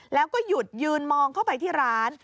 แล้วก็หยุดยืนมองเข้าไปที่ร้าน